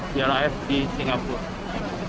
di laf di singapura